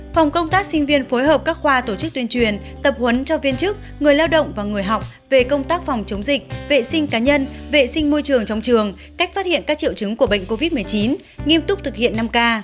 phòng công tác sinh viên phối hợp các khoa tổ chức tuyên truyền tập huấn cho viên chức người lao động và người học về công tác phòng chống dịch vệ sinh cá nhân vệ sinh môi trường trong trường cách phát hiện các triệu chứng của bệnh covid một mươi chín nghiêm túc thực hiện năm k